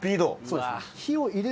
そうですね。